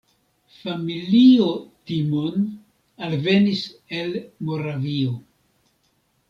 Familio Timon alvenis el Moravio.